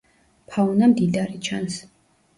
ფაუნა მდიდარი ჩანს.